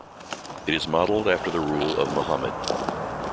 It is modeled after the rule of Muhammad.